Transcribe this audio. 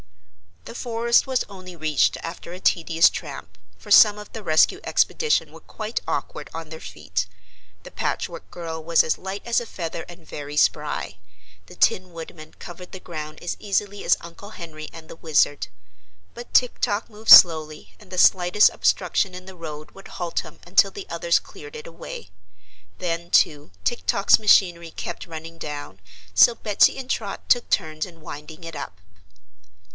The forest was only reached after a tedious tramp, for some of the Rescue Expedition were quite awkward on their feet. The Patchwork Girl was as light as a feather and very spry; the Tin Woodman covered the ground as easily as Uncle Henry and the Wizard; but Tik Tok moved slowly and the slightest obstruction in the road would halt him until the others cleared it away. Then, too, Tik Tok's machinery kept running down, so Betsy and Trot took turns in winding it up.